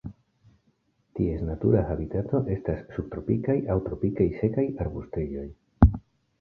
Ties natura habitato estas subtropikaj aŭ tropikaj sekaj arbustejoj.